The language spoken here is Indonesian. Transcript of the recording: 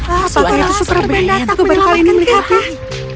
apa itu super bn aku baru kali ini melihatnya